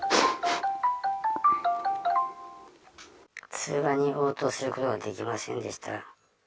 通話に応答することができませんでした。